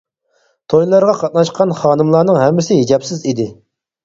تويلارغا قاتناشقان خانىملارنىڭ ھەممىسى ھىجابسىز ئىدى.